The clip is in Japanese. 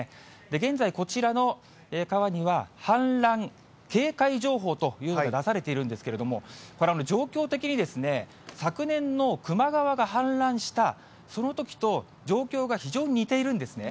現在、こちらの川には、氾濫警戒情報というのが出されているんですけれども、これは状況的に、昨年の球磨川が氾濫したそのときと状況が非常に似ているんですね。